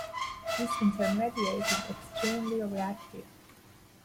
This intermediate is extremely reactive.